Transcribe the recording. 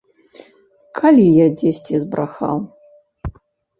Калі я дзесьці збрахаў.